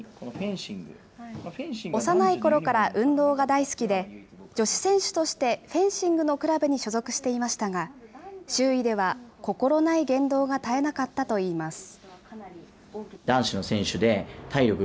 幼いころから運動が大好きで、女子選手としてフェンシングのクラブに所属していましたが、周囲では心無い言動が絶えなかったといいます。